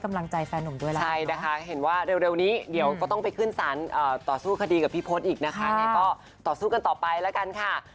ขณะที่เขาเองก็เสียเปลี่ยน